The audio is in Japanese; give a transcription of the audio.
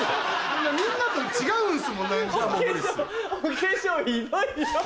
みんなと違うんすもん何か。